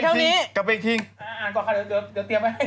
อ่านก่อนค่ะเดี๋ยวเตรียมไว้